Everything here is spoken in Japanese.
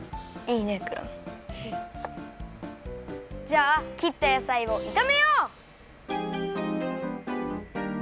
じゃあきったやさいをいためよう！